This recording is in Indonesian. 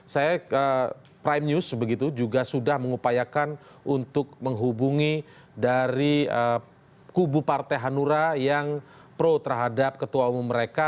saya prime news begitu juga sudah mengupayakan untuk menghubungi dari kubu partai hanura yang pro terhadap ketua umum mereka